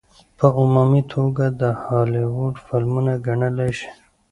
په عمومي توګه د هالي وډ فلمونه ګڼلے شي.